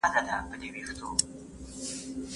ده د قومي يووالي ساتلو ته جدي پام درلود.